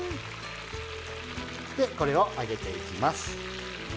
でこれを揚げていきます。